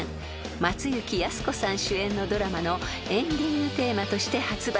松雪泰子さん主演のドラマのエンディングテーマとして発売］